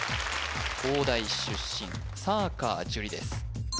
東大出身サーカー壽梨です